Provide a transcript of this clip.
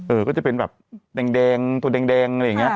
ก็จะเป็นแบบแดงตัวแดงอะไรอย่างนี้